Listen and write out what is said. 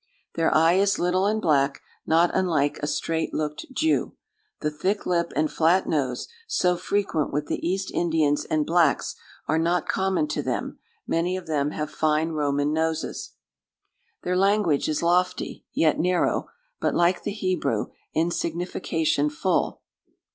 Their eye is little and black, not unlike a straight looked Jew. The thick lip and flat nose, so frequent with the East Indians and Blacks, are not common to them; many of them have fine Roman noses. "Their language is lofty, yet narrow; but like the Hebrew, in signification full.